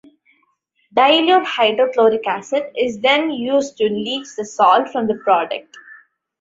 Dilute hydrochloric acid is then used to leach the salt from the product.